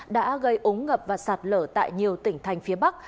đã gây ống ngập và sạt lở tại nhiều tỉnh thành phía bắc